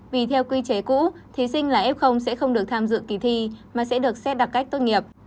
vì theo quy chế cũ thí sinh là f sẽ không được tham dự kỳ thi mà sẽ được xét đặc cách tốt nghiệp